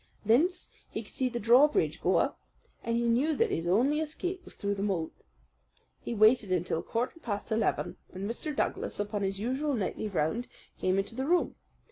Thence he could see the drawbridge go up, and he knew that his only escape was through the moat. He waited until quarter past eleven, when Mr. Douglas upon his usual nightly round came into the room.